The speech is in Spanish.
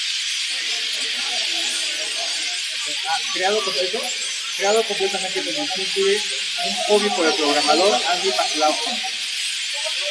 Creado completamente como simple un hobby por el programador, Andy McLaughlin.